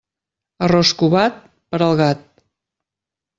Arròs covat, per al gat.